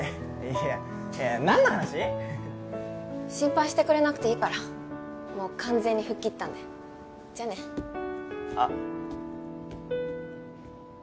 いや何の話？心配してくれなくていいからもう完全に吹っ切ったんでじゃあねあっ